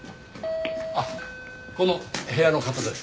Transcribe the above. あっこの部屋の方ですか？